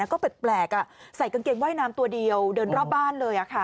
ก็แปลกใส่กางเกงว่ายน้ำตัวเดียวเดินรอบบ้านเลย